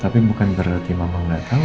tapi bukan berarti mama gak tahu